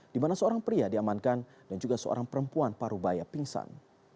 di mana seorang pria diamankan dan juga seorang perempuan parubaya pingsan